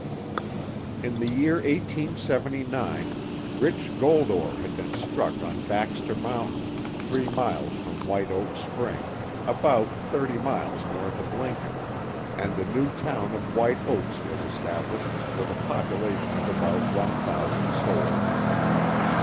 In the year 1879, rich gold ore had been struck on Baxter mountain, three miles from White Oaks Spring, about thirty miles north of Lincoln, and the new town of White Oaks was established, with a population of about one thousand souls.